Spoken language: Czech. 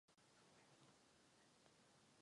Zajímá se o kryptografii.